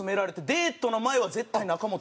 デートの前は絶対中本食べて。